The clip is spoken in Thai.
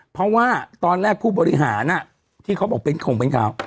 เพราะว่าตอนแรกผู้บริหารที่เขาบอกเป็นของเป็นข่าว